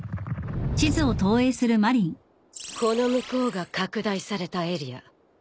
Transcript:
この向こうが拡大されたエリア。